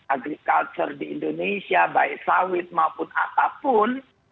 agrikultur di indonesia baik sawit maupun apapun